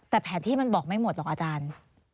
แต่แผนที่มันบอกไม่หมดหรอกอาจารย์